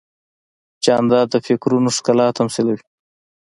جانداد د فکرونو ښکلا تمثیلوي.